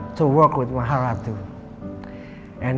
untuk bekerja sama mr radbaran